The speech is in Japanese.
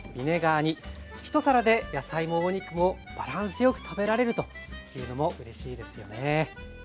ひと皿で野菜もお肉もバランスよく食べられるというのもうれしいですよね。